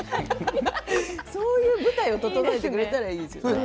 そういう舞台を整えてくれたらいいですよね。